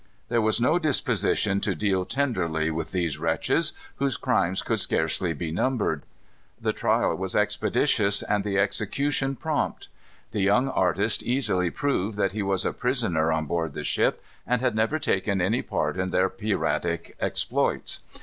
There was no disposition to deal tenderly with these wretches, whose crimes could scarcely be numbered. The trial was expeditious and the execution prompt. The young artist easily proved that he was a prisoner on board the ship, and had never taken any part in their piratic exploits.